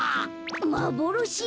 まぼろし？